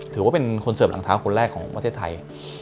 ถือว่าเป็นคนเสิร์ฟหลังเท้าคนแรกของประเทศไทย